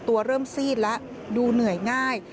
ตัวเริ่มซีดแล้วดูเหนื่อยง่าย